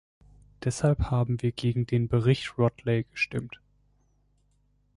Deshalb haben wir gegen den Bericht Rothley gestimmt.